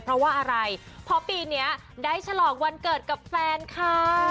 เพราะปีนี้ได้ฉลองวันเกิดกับแฟนค่ะ